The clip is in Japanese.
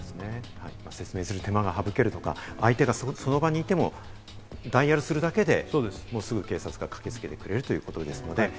説明する手間が省けるとか、相手がその場にいても、ダイヤルするだけでもう、すぐ警察が駆けつけてくれるということです。